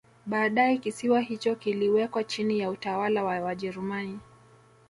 Baadae kisiwa hicho kiliwekwa chini ya utawala wa Wajerumani